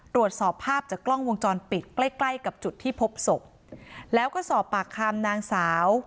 ตรวจสอบภาพจากกล้องวงจรปิดใกล้ใกล้กับจุดที่พบศพแล้วก็สอบปากคำนางสาว